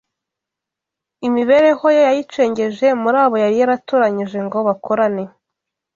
Imibereho ye yayicengeje muri abo yari yatoranyije ngo bakorane